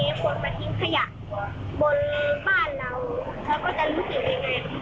ก็เหมือนท่านเลคนมาทิ้งขยะบนบ้านเรา